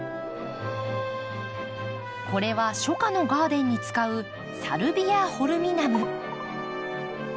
これは初夏のガーデンに使うサルビアホルミナム。